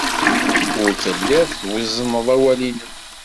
Ur tellid twezzned awal-nnem.